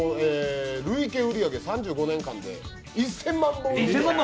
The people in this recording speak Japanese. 累計売り上げ３５年間で１０００万本。